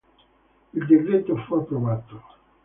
Il decreto fu approvato.